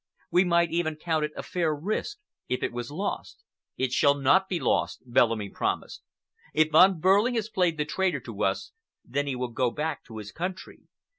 We might even count it a fair risk if it was lost." "It shall not be lost," Bellamy promised. "If Von Behrling has played the traitor to us, then he will go back to his country.